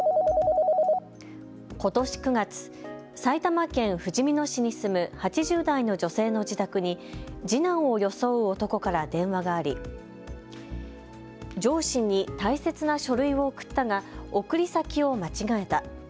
ことし９月、埼玉県ふじみ野市に住む、８０代の女性の自宅に次男を装う男から電話があり上司に大切な書類を送ったが送り先を間違えた。